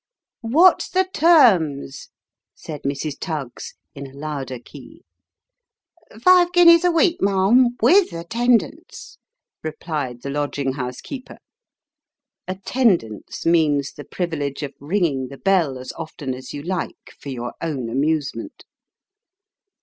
" What's the terms ?" said Mrs. Tuggs, in a louder key. " Five guineas a week, ma'am, with attendance," replied the lodging house keeper. (Attendance means the privilege of ringing the bell as often as you like, for your own amusement.)